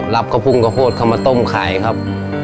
รับขะพุงขะโพดเข้ามาต้มขายครับ